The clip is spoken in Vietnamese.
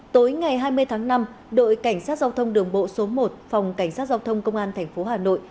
tối ngày hai mươi tháng năm đội cảnh sát giao thông đường bộ số một phòng cảnh sát giao thông công an tp hà nội